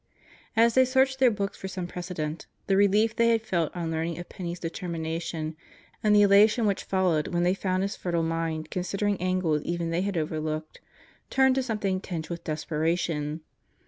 As they searched their books for some precedent, the relief they had felt on learning of Penney's determination, and the elation which followed when they found his fertile mind considering angles even they had overlooked, turned to something tinged with desperation.